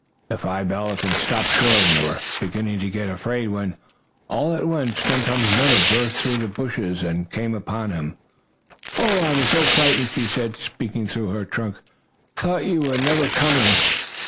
The five elephants stopped short, and were beginning to get afraid when, all at once, Tum Tum's mother burst through the bushes and came up to him. "Oh, I was so frightened!" she said, speaking through her trunk. "I thought you were never coming!"